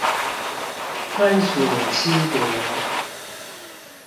分屬七國